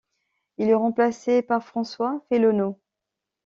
Il est remplacé par François Fellonneau.